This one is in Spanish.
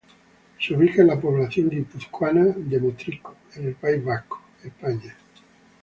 Se ubica en la población guipuzcoana de Motrico en el País Vasco, España.